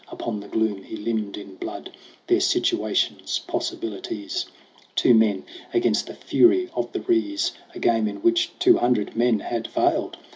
Upon the gloom he limned in blood Their situation's possibilities : Two men against the fury of the Rees A game in which two hundred men had failed